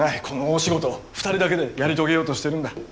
この大仕事を２人だけでやり遂げようとしてるんだ。